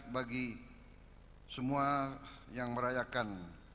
bagi semua yang merayakan